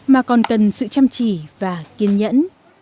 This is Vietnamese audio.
mà còn cần sự chăm chỉ và kiên nhẫn